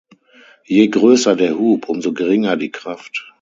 Je größer der Hub, umso geringer die Kraft.